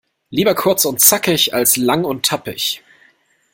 Lieber kurz und zackig, als lang und tappig..